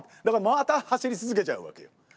だからまた走り続けちゃうわけよ。